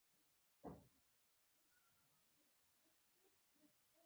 عسکر د خپل آمر د نیولو حق لري.